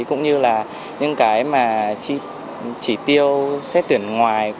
cũng như là những cái mà chỉ tiêu xét tuyển ngoài